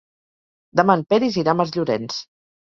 Demà en Peris irà a Masllorenç.